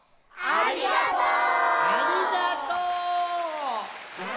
ありがとう！